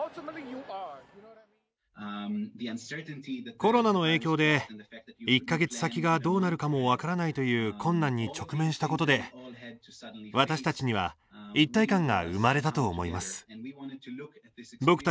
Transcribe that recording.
コロナの影響で１か月先がどうなるかも分からないという困難に直面したことで私たちには一体感が生まれたと思います。